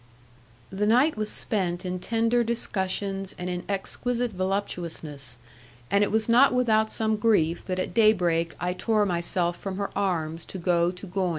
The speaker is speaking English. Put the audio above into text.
The night was spent in tender discussions and in exquisite voluptuousness, and it was not without some grief that at day break I tore myself from her arms to go to Gouyn.